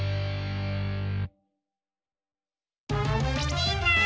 みんな！